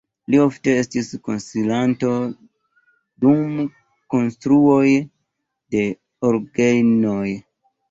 Li ofte estis konsilanto dum konstruoj de orgenoj.